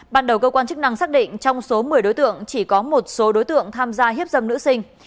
ban đầu cơ quan chức năng xác định trong số một mươi đối tượng chỉ có một số đối tượng tham gia hiếp dâm nữ sinh